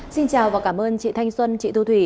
xin chào và cảm ơn chị thanh xuân chị thu thủy